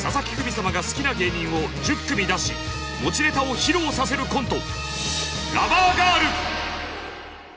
様が好きな芸人を１０組出し持ちネタを披露させるコント。